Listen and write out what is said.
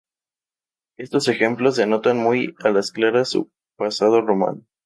Estos ejemplos, denotan muy a las claras su pasado romano.